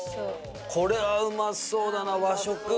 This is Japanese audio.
これはうまそうだな和食。